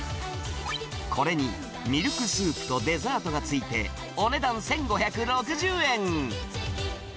これにミルクスープとデザートがついて、お値段１５６０円。